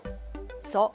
そう。